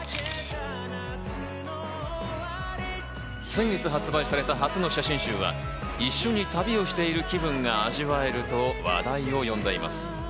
先月発売された初の写真集は一緒に旅をしている気分が味わえると話題を呼んでいます。